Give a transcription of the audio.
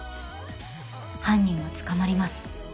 犯人は捕まります。